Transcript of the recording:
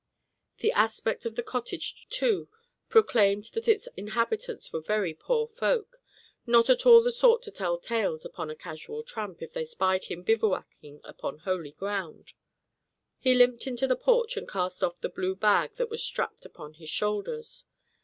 The aspect of the cottage, too, proclaimed that its inhabitants were very poor folk not at all the sort to tell tales upon a casual tramp if they spied him bivouacking upon holy ground. He limped into the porch and cast off the blue bag that was strapped upon his shoulders.